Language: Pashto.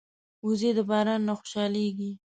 وزې د باران نه خوشحالېږي